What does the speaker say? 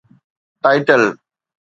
title